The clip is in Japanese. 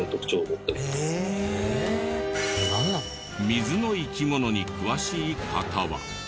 水の生き物に詳しい方は。